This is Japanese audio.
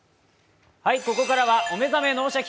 ここからは「お目覚め脳シャキ！